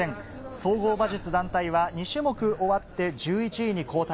総合馬術団体は２種目終わって１１位に後退。